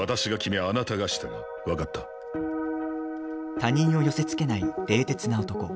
他人を寄せつけない冷徹な男。